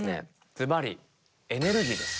ズバリ「エネルギー」です。